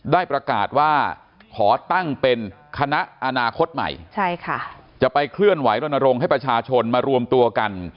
ได้ประกาศว่าขอตั้งเป็นคณะอนาคตใหม่ใช่ค่ะจะไปเคลื่อนไหวรณรงค์ให้ประชาชนมารวมตัวกัน